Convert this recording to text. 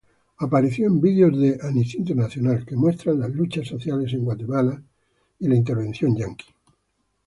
Apareció en videos de Amnesty International que muestran las luchas sociales en Guatemala.